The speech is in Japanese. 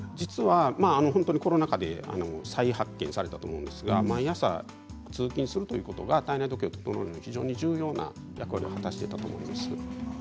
コロナ禍で再発見されたと思うんですが毎朝、通勤するということが体内時計を整えるのに非常に重要な役割を果たしていたんです。